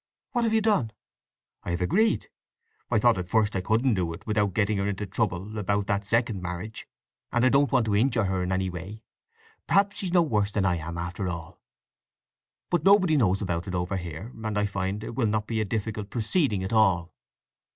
"What have you done?" "I have agreed. I thought at first I couldn't do it without getting her into trouble about that second marriage, and I don't want to injure her in any way. Perhaps she's no worse than I am, after all! But nobody knows about it over here, and I find it will not be a difficult proceeding at all.